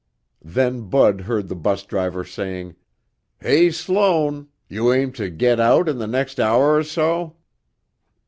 Then Bud heard the bus driver saying, "Hey, Sloan. You aim to get out in the next hour or so?"